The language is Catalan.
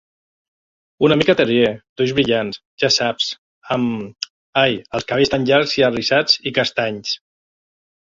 Una mica terrier d'ulls brillants, ja saps, amb, ai, els cabells tan llargs, arrissats i castanys!